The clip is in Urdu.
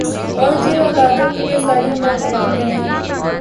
اور جن اولادوں کے لیئے ساری عمر کماتے ہیں